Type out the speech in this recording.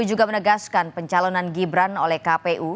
juga menegaskan pencalonan gibran oleh kpu